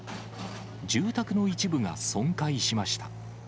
住宅の一部が損壊しました。